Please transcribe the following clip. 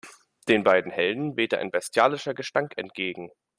Den beiden Helden wehte ein bestialischer Gestank entgegen.